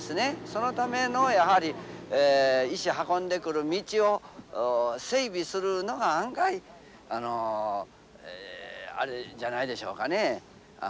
そのためのやはり石運んでくる道を整備するのが案外あれじゃないでしょうかね。